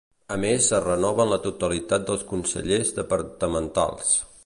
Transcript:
A més es renoven la totalitat de consellers departamentals.